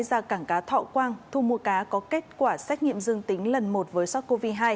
ra cảng cá thọ quang thu mua cá có kết quả xét nghiệm dương tính lần một với sars cov hai